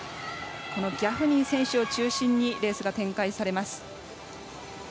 このギャフニー選手を中心にレースが展開されます。